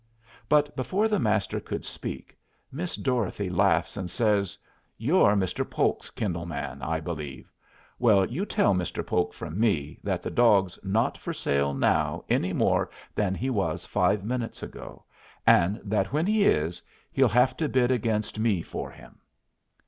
But before the Master could speak, Miss Dorothy laughs and says: "You're Mr. Polk's kennel man, I believe. Well, you tell Mr. Polk from me that the dog's not for sale now any more than he was five minutes ago, and that when he is, he'll have to bid against me for him."